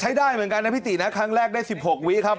ได้เหมือนกันนะพี่ตินะครั้งแรกได้๑๖วิครับ